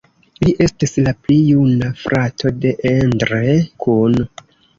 Li estis la pli juna frato de Endre Kun.